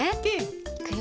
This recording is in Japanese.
いくよ？